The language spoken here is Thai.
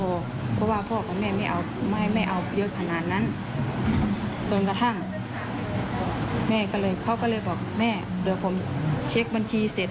เพราะว่าพ่อกับแม่ไม่ให้แม่เอาเยอะขนาดนั้น